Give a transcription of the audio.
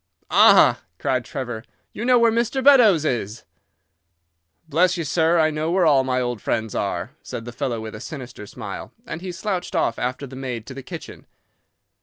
"'Ah!' cried Trevor. 'You know where Mr. Beddoes is?' "'Bless you, sir, I know where all my old friends are,' said the fellow with a sinister smile, and he slouched off after the maid to the kitchen.